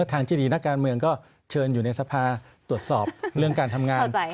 ที่ดีนักการเมืองก็เชิญอยู่ในสภาตรวจสอบเรื่องการทำงาน